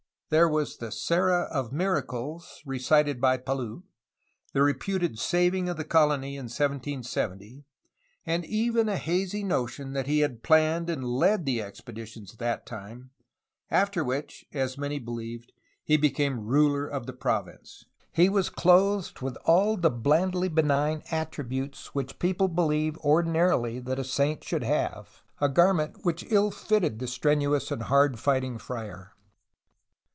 '' There was the Serra of the miracles recited by Palou, the reputed saving of the colony in 1770, and even a hazy notion that he had planned and led the expeditions of that time, after which (as many believed) he became ruler of the province. He was clothed with all the blandly benign attributes which people believe ordinarily that a saint should have, a garment which ill fitted the strenuous and hard fighting friar.